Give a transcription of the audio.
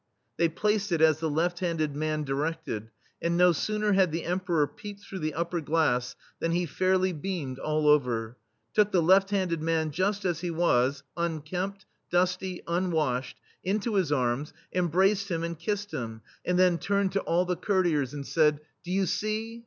They placed it as the left handed man diredted, and no sooner had the Emperor peeped through the upper glass than he fairly beamed all over, took the left handed man just as he was — unkempt, dusty, unwashed — into his arms, embraced him, and kissed him, and then turned to all the cour THE STEEL FLEA tiers and said :" Do you see